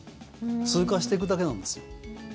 通過していくだけなんです。